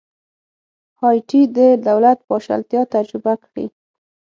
هایټي د دولت پاشلتیا تجربه کړې.